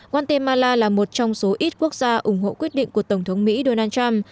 guatemala là một trong số ít quốc gia ủng hộ quyết định của tổng thống mỹ donald trump